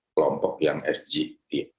kelompok yang s gtr